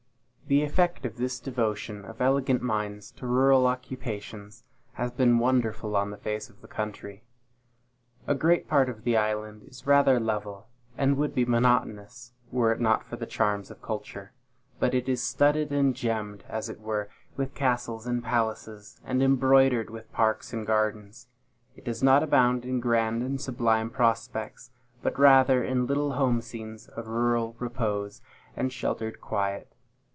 The effect of this devotion of elegant minds to rural occupations has been wonderful on the face of the country. A great part of the island is rather level, and would be monotonous, were it not for the charms of culture; but it is studded and gemmed, as it were, with castles and palaces, and embroidered with parks and gardens. It does not abound in grand and sublime prospects, but rather in little home scenes of rural repose and sheltered quiet.